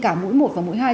cả mũi một và mũi hai